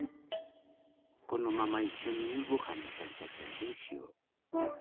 このままいっしょにゆうごはんにされちゃったらどうしよう。